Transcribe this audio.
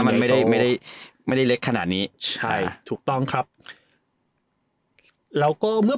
มันไม่ได้ไม่ได้เล็กขนาดนี้ใช่ถูกต้องครับแล้วก็เมื่อ